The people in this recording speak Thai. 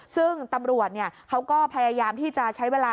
ซึ่งตำรวจเขาก็พยายามที่จะใช้เวลา